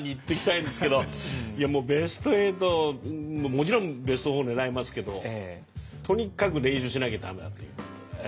もちろんベスト４狙いますけどとにかく練習しなきゃ駄目だということ。